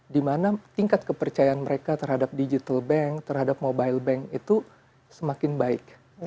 dimana tingkat kepercayaan mereka terhadap digital bank terhadap mobile bank itu semakin baik